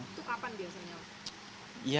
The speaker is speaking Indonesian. itu kapan biasanya